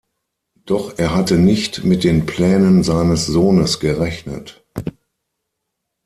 Doch er hatte nicht mit den Plänen seines Sohnes gerechnet.